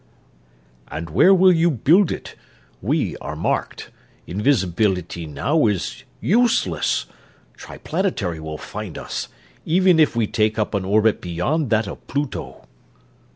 "And where will you build it? We are marked. Invisibility now is useless. Triplanetary will find us, even if we take up an orbit beyond that of Pluto!"